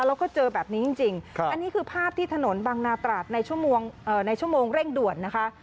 แล้วก็เจอแบบนี้จริงอันนี้คือภาพที่ถนนบางนาตราดในชั่วโมงเร่งด่วนนะคะ